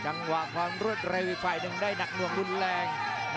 จังหวาดึงซ้ายตายังดีอยู่ครับเพชรมงคล